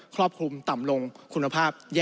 ครอบครุมต่ำลงคุณภาพแย่ลงนะครับ